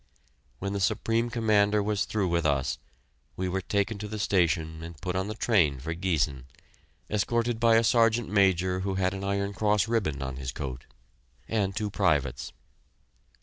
When the Supreme Commander was through with us, we were taken to the station and put on the train for Giessen, escorted by a Sergeant Major, who had an iron cross ribbon on his coat, and two privates.